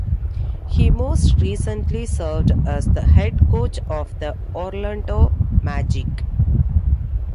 He most recently served as the head coach of the Orlando Magic.